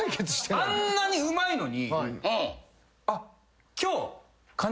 あんなにうまいのに。